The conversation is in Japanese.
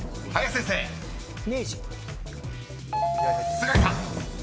［須貝さん］